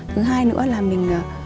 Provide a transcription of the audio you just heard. thứ hai nữa là mình